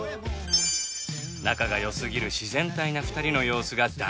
仲が良すぎる自然体な２人の様子が大好評。